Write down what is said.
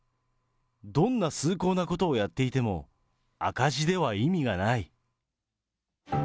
どんな崇高なことをやっていても、赤字では意味がない。